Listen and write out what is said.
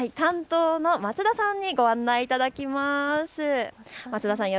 担当の松田さんに案内いただきます。